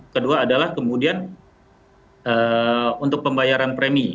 kedua adalah kemudian untuk pembayaran premi